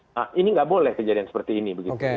nah ini nggak boleh kejadian seperti ini